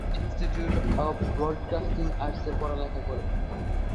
Say Bangladesh institute of broadcasting arts এ পড়ালেখা করে।